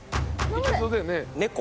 いけそうだよね。